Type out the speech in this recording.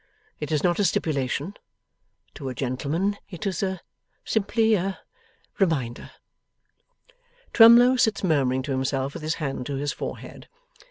It is not a stipulation; to a gentleman it is simply a reminder.' Twemlow sits murmuring to himself with his hand to his forehead.